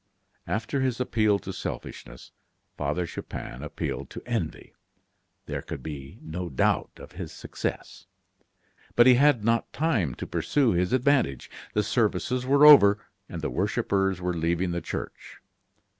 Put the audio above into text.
After his appeal to selfishness, Father Chupin appealed to envy. There could be no doubt of his success. But he had not time to pursue his advantage. The services were over, and the worshippers were leaving the church.